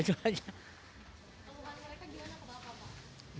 ngomongan mereka gimana kebapak